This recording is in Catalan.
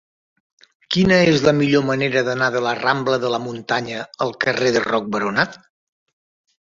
Quina és la millor manera d'anar de la rambla de la Muntanya al carrer de Roc Boronat?